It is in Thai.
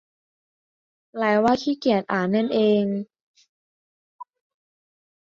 แปลว่าขี้เกียจอ่านนั่นเอง